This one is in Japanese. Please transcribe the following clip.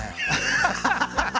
ハハハハ！